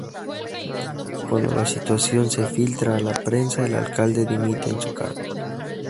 Cuando la situación se filtra a la prensa, el alcalde dimite a su cargo.